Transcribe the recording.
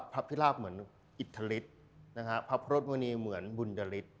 พระพิราพเหมือนอิทธฤทธิ์พระพระรถมณีเหมือนบุญดฤทธิ์